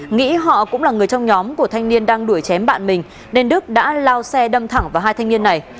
nghĩ họ cũng là người trong nhóm của thanh niên đang đuổi chém bạn mình nên đức đã lao xe đâm thẳng vào hai thanh niên này